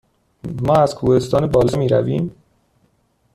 ما از راه کوهستان بالا می رویم؟